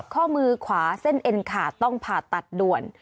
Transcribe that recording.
ข้อมือขวาเส้นเอ็นขาดต้องผ่าตัดด่วน